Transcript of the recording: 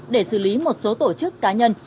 để xử lý một số tổ chức cá nhân